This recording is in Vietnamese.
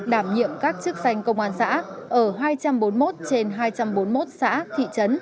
đảm nhiệm các chức danh công an xã ở hai trăm bốn mươi một trên hai trăm bốn mươi một xã thị trấn